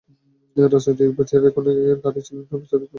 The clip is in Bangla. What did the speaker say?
রাজনীতিবিদেরা কেন একে এড়িয়ে চলেন, তা বিস্তারিত বলার দরকার হয় না।